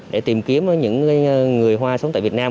để tìm kiếm những người hoa sống tại việt nam